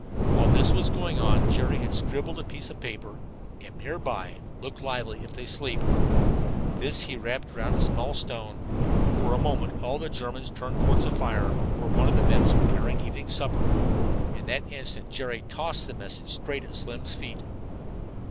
While this was going on Jerry had scribbled upon a piece of paper: "Am near. Look lively if they sleep." This he wrapped around a small stone. For a moment all the Germans turned toward the fire, where one of the men was preparing supper. In that instant Jerry tossed the message straight at Slim's feet.